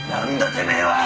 てめえは！